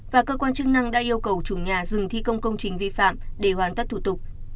và cơ quan chức năng đã yêu cầu chủ nhà dừng thi công công trình vi phạm để hoàn tất thủ tục